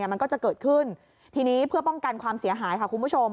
มันก็จะเกิดขึ้นทีนี้เพื่อป้องกันความเสียหายค่ะคุณผู้ชม